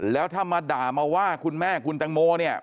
แล้วถ้ามาด่ามาว่าคุณแม่คุณตังโมเนี่ย